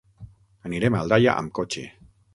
Anirem a Aldaia amb cotxe.